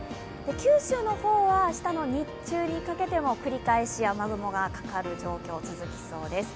九州の方は明日の日中にかけても繰り返し雨雲がかかる状況が続きそうです。